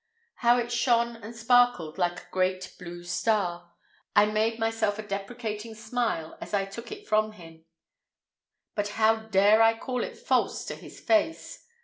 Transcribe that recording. How it shone and sparkled like a great blue star! I made myself a deprecating smile as I took it from him, but how dare I call it false to its face?